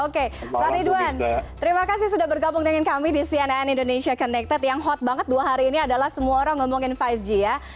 oke pak ridwan terima kasih sudah bergabung dengan kami di cnn indonesia connected yang hot banget dua hari ini adalah semua orang ngomongin lima g ya